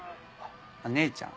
姉ちゃん？